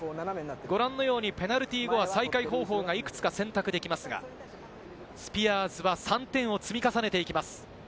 ご覧のように、ペナルティー後は再開方法がいくつか選択できますが、スピアーズは３点を積み重ねていきます。